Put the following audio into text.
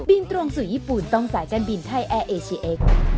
ตรงสู่ญี่ปุ่นต้องสายการบินไทยแอร์เอเชียเอ็กซ์